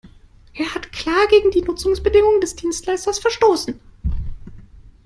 Er hat klar gegen die Nutzungsbedingungen des Dienstleisters verstoßen.